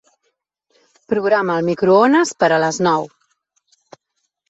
Programa el microones per a les nou.